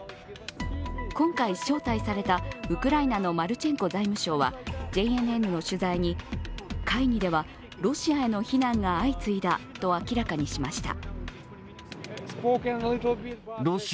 今回招待されたウクライナのマルチェンコ財務相はＪＮＮの取材に、会議ではロシアへの非難が相次いだと明らかにしました。